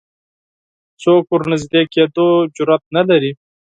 څوک ورنژدې کېدو جرئت نه لري